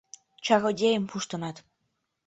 Чародейым пуштынат